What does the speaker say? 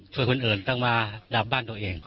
ช่วยคนอื่นต้องมาดับบ้านตัวเอง